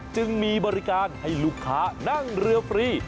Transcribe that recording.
จึงมีบริการให้ลูกค้านั่งเรือฟรี